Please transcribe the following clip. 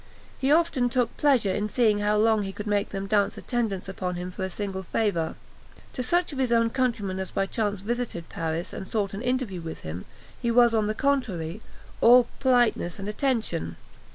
He often took pleasure in seeing how long he could make them dance attendance upon him for a single favour. To such of his own countrymen as by chance visited Paris, and sought an interview with him, he was, on the contrary, all politeness and attention.